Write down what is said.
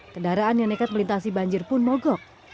kendaraan yang nekat melintasi banjir pun mogok